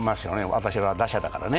私は打者だからね。